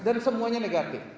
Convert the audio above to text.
dan semuanya negatif